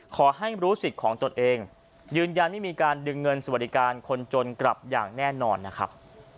ขอให้รู้สิทธิ์ของตนเองยืนยันไม่มีการดึงเงินสวัสดิการคนจนกลับอย่างแน่นอนนะครับ